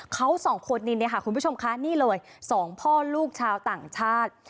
เขา๒คนนี้ค่ะนี่เลย๒พ่อลูกชาวต่างชาติ